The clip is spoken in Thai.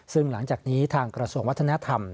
ซึ่งหลังจากนี้ทางกระทรวงวัฒนธรรม